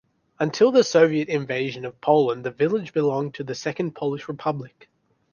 Until the Soviet invasion of Poland the village belonged to the Second Polish Republic.